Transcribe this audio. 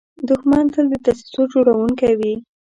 دښمن تل د دسیسو جوړونکی وي